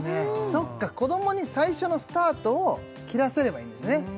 そっか子どもに最初のスタートを切らせればいいんですね